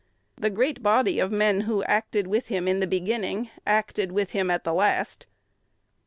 The great body of men who acted with him in the beginning acted with him at the last.